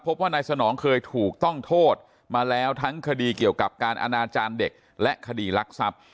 พบว่านายสนองเคยถูกต้องโทษมาแล้วทั้งคดีเกี่ยวกับการอนาจารย์เด็กและคดีรักทรัพย์